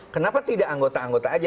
kenapa tidak anggota anggota aja